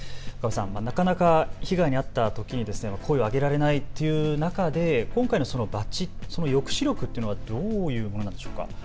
なかなか被害に遭ったときに声を上げられないという中で今回のバッジ、その抑止力というのはどういうものなのでしょうか。